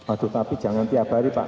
aduh tapi jangan tiap hari pak